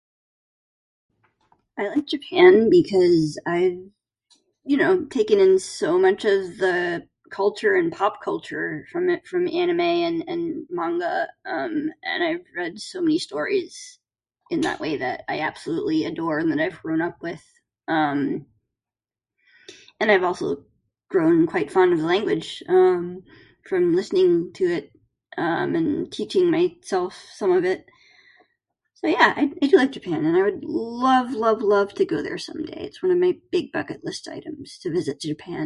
I like Japan because I've, you know taken in so much of the culture and pop culture from it from amine and and manga, um, and I've read so many stories in that way that I absolute adore and that I've grown up with. Um, and I've also grown quite fond of the language, um, from listening to it, um, and teaching myself some of it. So, yeah I I do like Japan and I would love, love, love to go there someday, it's one of my big bucket list items to visit Japan.